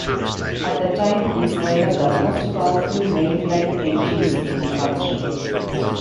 At the time, these were the most powerful main line engines in the country.